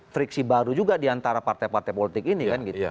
friksi baru juga diantara partai partai politik ini